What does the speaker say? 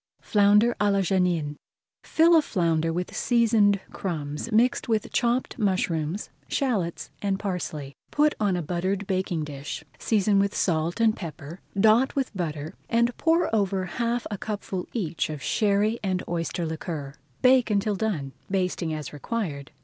FLOUNDER À LA JANIN Fill a flounder with seasoned crumbs mixed with chopped mushrooms, shallots, and parsley. Put on a buttered baking dish, season with salt and pepper, dot with butter, and pour over half a cupful each of Sherry and oyster liquor. Bake until done, basting as required.